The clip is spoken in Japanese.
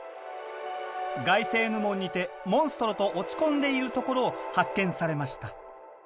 ガイセーヌ門にてモンストロと落ち込んでいるところを発見されました。